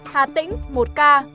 hà tĩnh một ca